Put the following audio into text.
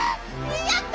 やった！